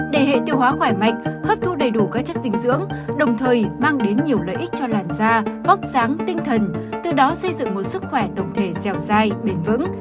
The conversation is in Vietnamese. để hệ tiêu hóa khỏe mạnh hấp thu đầy đủ các chất dinh dưỡng đồng thời mang đến nhiều lợi ích cho làn da bóc sáng tinh thần từ đó xây dựng một sức khỏe tổng thể dẻo dai bền vững